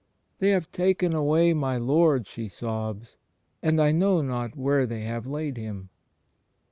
"They have taken away my Lord," she sobs, "and I know not where they have laid Him."